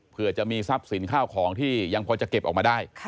เพื่อจะมีทรัพย์สินข้าวของที่ยังพอจะเก็บออกมาได้